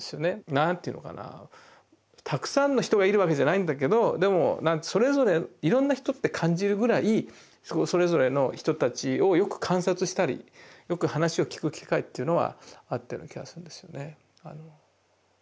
何ていうのかなたくさんの人がいるわけじゃないんだけどでもそれぞれいろんな人って感じるぐらいそれぞれの人たちをよく観察したりよく話を聞く機会っていうのはあったような気がするんですよね。